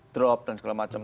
drop dan segala macam